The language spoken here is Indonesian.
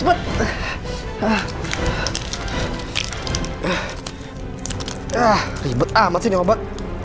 ah ah ah ah ah ah ribet amat ini obat